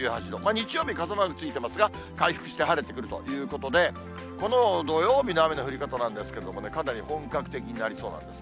日曜日傘マークついていますが、回復して晴れてくるということで、この土曜日の雨の降り方なんですけどもね、かなり本格的になりそうなんです。